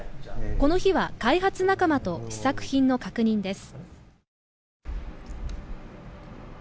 この日は開発仲間と試作品の確認です。